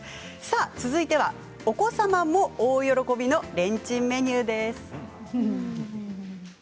続いては、お子さんも大喜びのレンチンメニューです。